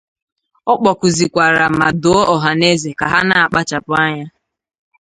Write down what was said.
Ọ kpọkùzịkwàrà ma dụọ ọhanaeze ka ha na-akpachàpụ anya